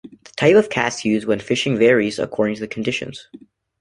The type of cast used when fishing varies according to the conditions.